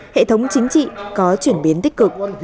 hệ thống chính trị có chuyển biến tích cực